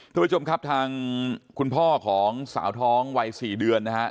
ทุกผู้ชมครับทางคุณพ่อของสาวท้องวัย๔เดือนนะครับ